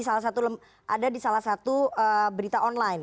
saya sebutin ya ada di salah satu berita online